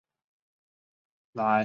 莱唐韦尔吉。